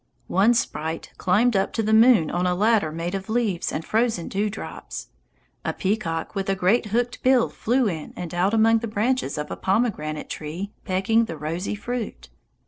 One sprite climbed up to the moon on a ladder made of leaves and frozen dew drops. A peacock with a great hooked bill flew in and out among the branches of a pomegranate tree pecking the rosy fruit.